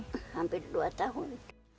hampir dua tahun